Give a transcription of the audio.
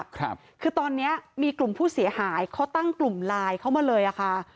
ครับคือตอนเนี้ยมีกลุ่มผู้เสียหายเขาตั้งกลุ่มไลน์เข้ามาเลยอ่ะค่ะ